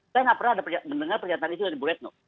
saya nggak pernah mendengar pernyataan itu dari buretno